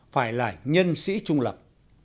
phải là nhân sĩ trung lập